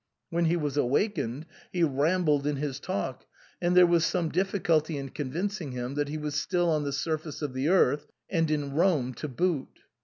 When he was awakened, he rambled in his talk, and there was some difficulty in convincing him that he was still on the surface of the earth, and in Rome to boot.